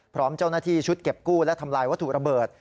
พร้อมเจ้าหน้าที่ชุดเก็บกู้และทำลายวัตถุระเบิด